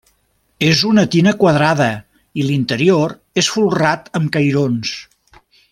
És una tina quadrada i l'interior és folrat amb cairons.